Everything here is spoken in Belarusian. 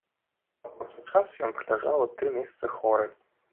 У апошні час ён праляжаў аж тры месяцы хворы.